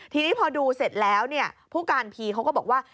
ทีนี้พอดูเสร็จแล้วเนี่ยผู้การพีเขาก็บอกว่า